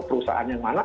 perusahaan yang mana